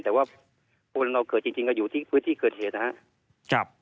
แต่ว่าคนเราเกิดจริงก็อยู่ที่พื้นที่เกิดเหตุนะครับ